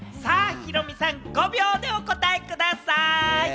ヒロミさん５秒でお答えください。